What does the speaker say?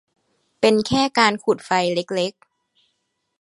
เป็นแค่การขุดไฟเล็ก ๆ